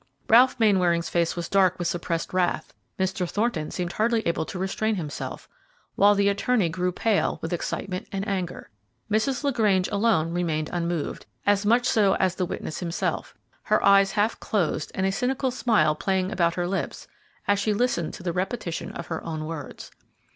Ralph Mainwaring's face was dark with suppressed wrath; Mr. Thornton seemed hardly able to restrain himself; while the attorney grew pale with excitement and anger. Mrs. LaGrange alone remained unmoved, as much so as the witness himself, her eyes half closed and a cynical smile playing about her lips as she listened to the repetition of her own words.